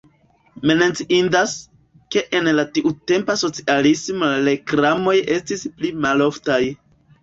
Menciindas, ke en la tiutempa socialismo la reklamoj estis pli maloftaj.